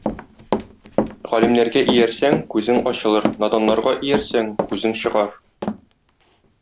Галимнәргә иярсәң, күзең ачылыр, наданнарга иярсәң күзең чыгар.